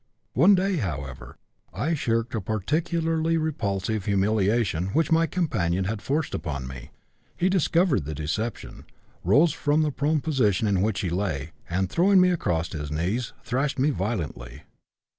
One day, however, I shirked a particularly repulsive humiliation which my companion had forced upon me. He discovered the deception, rose from the prone position in which he lay, and throwing me across his knees thrashed me violently.